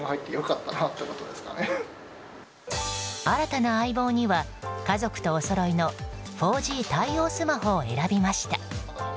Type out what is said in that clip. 新たな相棒には家族とおそろいの４Ｇ対応スマホを選びました。